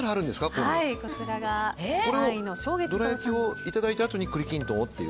どら焼きをいただいたあとに栗きんとんをと。